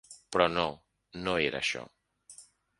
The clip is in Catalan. Però no, no era això.